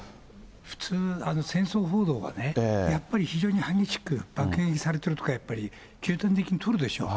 普通、戦争報道はね、やっぱり非常に激しく爆撃されている所を、経験的に取るでしょう。